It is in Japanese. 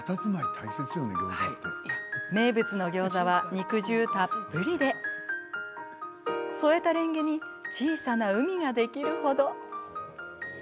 名物のギョーザは肉汁たっぷりで添えたレンゲに小さな海ができるほど。